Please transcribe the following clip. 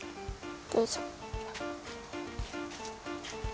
よいしょ。